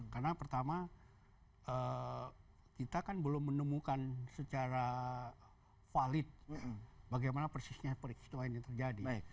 karena pertama kita kan belum menemukan secara valid bagaimana persisnya peristiwa ini terjadi